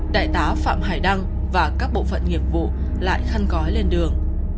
đại tá phạm hải đăng và các bộ phận nghiệp vụ lại khăn cói lên địa bàn